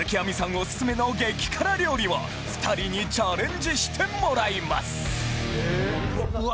オススメの激辛料理を２人にチャレンジしてもらいますうわ